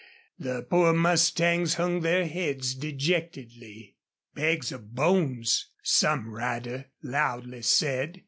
The poor mustangs hung their heads dejectedly. "Bags of bones," some rider loudly said.